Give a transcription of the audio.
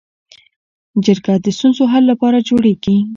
جرګه د ستونزو حل لپاره جوړیږي